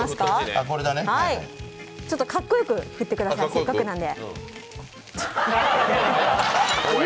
かっこよく振ってください、せっかくなんで。